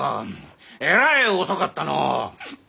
えらい遅かったのう！